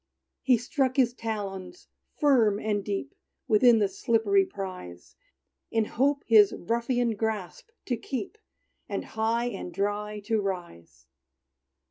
He struck his talons firm and deep, Within the slippery prize, In hope his ruffian grasp to keep, And high and dry to rise.